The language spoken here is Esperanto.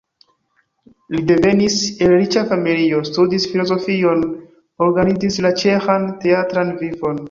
Li devenis el riĉa familio, studis filozofion, organizis la ĉeĥan teatran vivon.